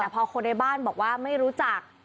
แต่พอคนในบ้านบอกว่าไม่รู้จัก